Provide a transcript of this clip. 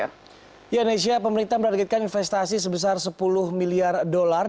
ya indonesia pemerintah beragetkan investasi sebesar sepuluh miliar dolar